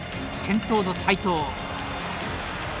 先頭の斉藤。